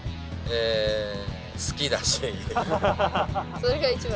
それが一番。